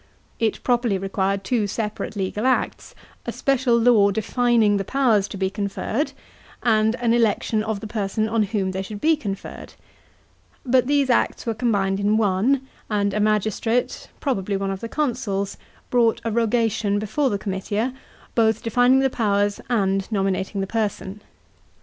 It properly required two separate legal acts — a special law defining the powers to be conferred, and an election of the person on whom they should be conferred. But * See Note E. at end of chapter. i« THE PRINCIPATE. CHAP. n. these acts were combined in one; and a magistrate, probab'y one of the consuls, brought a rogation before the comiti a, both defining the powers and nominating the person.